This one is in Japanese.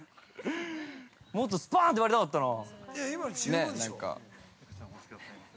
もっとスパーンって割りたかったな。